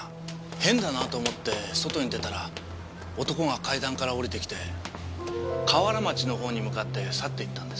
変だなと思って外に出たら男が階段から降りてきて河原町の方に向かって去っていったんです。